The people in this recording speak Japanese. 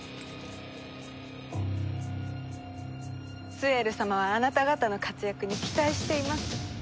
スエル様はあなた方の活躍に期待しています。